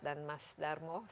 dan mas darmo selamat